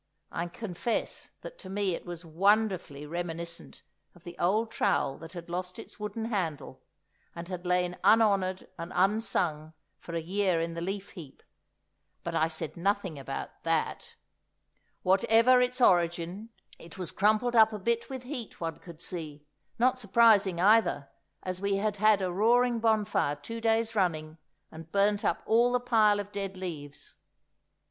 I confess that to me it was wonderfully reminiscent of the old trowel that had lost its wooden handle and had lain unhonoured and unsung for a year in the leaf heap; but I said nothing about that. Whatever its origin, it was crumpled up a bit with heat, one could see—not surprising either, as we had had a roaring bonfire two days running and burnt up all the pile of dead leaves.